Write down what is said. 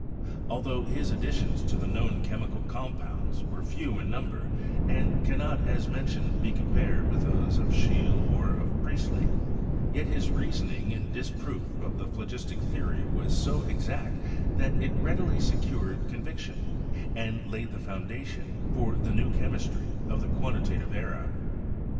Altho his additions to the known chemical compounds were few in number, and cannot, as mentioned, be compared with those of Scheele or of Priestley, yet his reasoning in disproof of the phlogistic theory was so exact that it rapidly secured conviction, and laid the foundation for the new chemistry of the quan titative era.